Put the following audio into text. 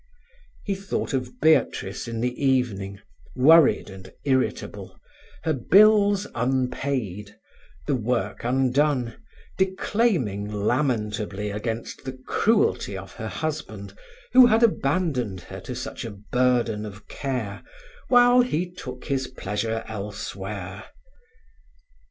He thought of Beatrice in the evening, worried and irritable, her bills unpaid, the work undone, declaiming lamentably against the cruelty of her husband, who had abandoned her to such a burden of care while he took his pleasure elsewhere.